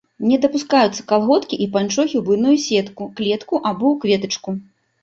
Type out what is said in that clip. Не дапускаюцца калготкі і панчохі ў буйную сетку, клетку або ў кветачку.